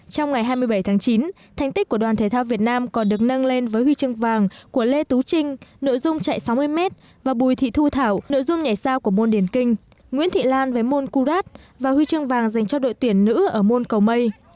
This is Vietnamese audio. trong ngày hai mươi bảy tháng chín thành tích của đoàn thể thao việt nam còn được nâng lên với huy chương vàng của lê tú trinh nội dung chạy sáu mươi m và bùi thị thu thảo nội dung nhảy sao của môn điển kinh nguyễn thị lan với môn kurat và huy chương vàng dành cho đội tuyển nữ ở môn cầu mây